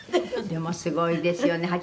「でもすごいですよね。